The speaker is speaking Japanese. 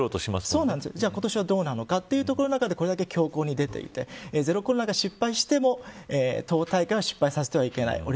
今年はどうなのかというところでこれだけ強硬に出ていてゼロ・コロナが失敗しても党大会は失敗させてはいけない。